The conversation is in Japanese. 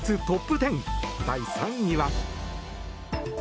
トップ１０第３位は。